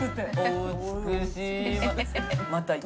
お美しいわ。